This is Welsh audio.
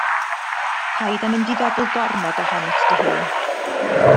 Paid â mynd i feddwl gormod ohonot dy hun.